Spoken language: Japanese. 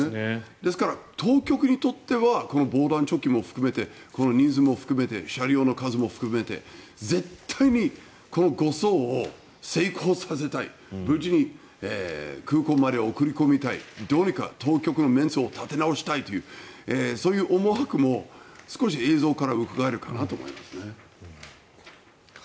ですから、当局にとってはこの防弾チョッキも含めて人数も含めて車両の数も含めて絶対にこの護送を成功させたい無事に空港まで送り込みたいどうにか当局のメンツを立て直したいというそういう思惑も少し映像からうかがえるかなと思いますね。